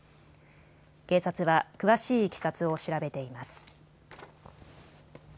警察は詳しいいきさつを調べています。